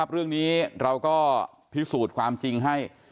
เรื่องนี้เราก็พิสูจน์ความจริงให้